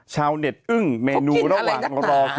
ชาวเน็ตอึ้งเมนูแล้ววาดรอกินฟรี